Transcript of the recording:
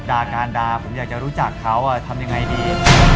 ดาการดาผมอยากจะรู้จักเขาดาการทำอย่างไรดี